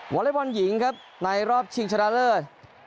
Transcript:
อเล็กบอลหญิงครับในรอบชิงชนะเลิศ